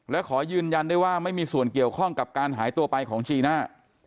และขอยืนยันได้ว่าไม่มีส่วนเกี่ยวข้องกับการหายตัวไปของจีน่า